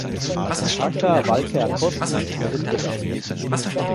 Haka Valkeakoski wurde Dritter.